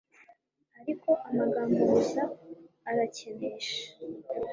ariko amagambo gusa arakenesha